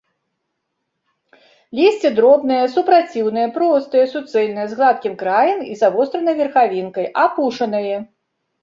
Лісце дробнае, супраціўнае, простае, суцэльнае, з гладкім краем і завостранай верхавінкай, апушанае.